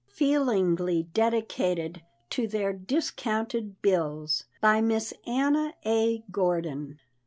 Feelingly Dedicated to their Discounted Bills. BY MISS ANNA A. GORDON.